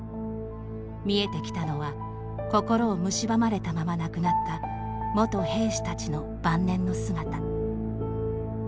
見えてきたのは心をむしばまれたまま亡くなった元兵士たちの晩年の姿。